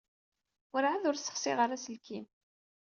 Werɛad ur ssexsiɣ ara aselkim.